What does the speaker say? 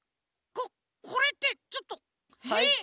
ここれってちょっとえっ？